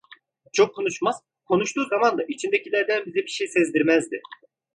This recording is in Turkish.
Çok konuşmaz, konuştuğu zaman da içindekilerden bize bir şey sezdirmezdi.